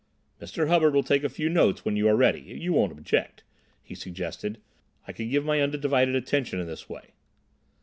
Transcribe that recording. "Mr. Hubbard will take a few notes when you are ready—you won't object," he suggested; "I can give my undivided attention in this way."